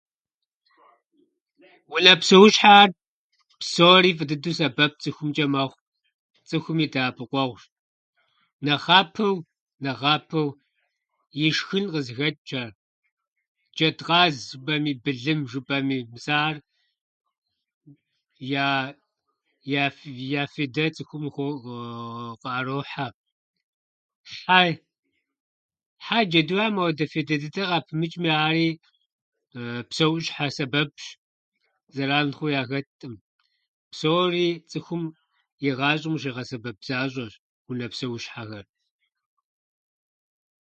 Унэ псэущхьэхьэр псори фӏы дыдэу сэбэп цӏыхумчӏэ мэхъу, цӏыхум и дэӏэпыкъуэгъущ. нэхъапэу- Нэхъапэу и шхын къызыхэчӏхэр: джэд-къаз жыпӏэми, былым жыпӏэми. Мис ахьэр яя- яф- я фейдэ цӏыхум къыхоо- къыӏэрохьэ. хьэ- Хьэ-джэдухьэм ауэдэ фейдэ дыдэ къапымычӏми, ахьэри псэущхьэ сэбэпщ, зэран хъу яхэтӏым. Псори цӏыхум и гъащӏэм къыщигъэсэбэп защӏэщ унэ псэущхьэхэр.